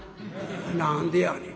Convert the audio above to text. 「何でやねん。